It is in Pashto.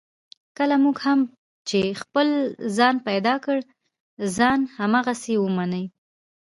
کله مو هم چې خپل ځان پیدا کړ، ځان هماغسې ومنئ.